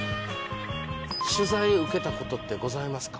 取材受けた事ってございますか？